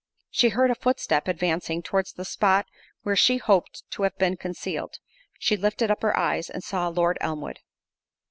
She heard a footstep advancing towards the spot where she hoped to have been concealed; she lifted up her eyes, and saw Lord Elmwood.